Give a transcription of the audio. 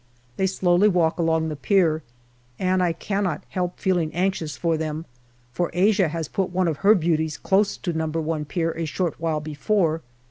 They slowly walk along the pier, and I cannot help feeling anxious for them, for Asia has put one of her beauties close to No. i Pier a short while before.